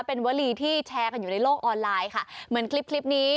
เป็นวลีที่แชร์กันอยู่ในโลกออนไลน์ค่ะเหมือนคลิปคลิปนี้